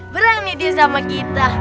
berang nih dia sama kita